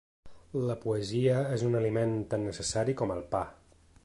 La poesia és un aliment tan necessari com el pa.